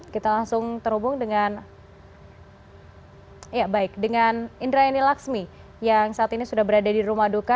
kita langsung terhubung dengan indrayani laksmi yang saat ini sudah berada di rumah duka